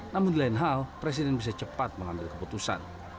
namun di lain hal presiden bisa cepat mengambil keputusan